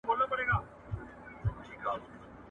ترک سري میاشتې ټولنې افغانانو ته کومي مرستي رسولي دي؟